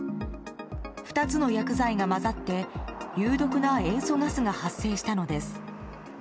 ２つの薬剤が混ざって有毒な塩素ガスが発生したのです。